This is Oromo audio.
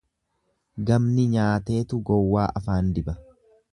Gamni nyaateetu gowwaa afaan diba.